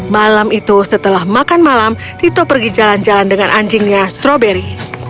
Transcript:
malam itu setelah makan malam tito pergi jalan jalan dengan anjingnya stroberi